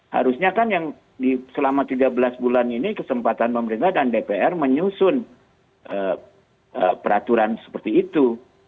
harusnya kan yang selama tiga belas bulan ini kesempatan pemerintah dan dpr menyusun peraturan seperti itu